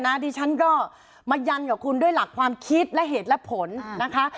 ดิฉันก็มายันกับคุณด้วยหลักความคิดและเหตุและผลนะคะ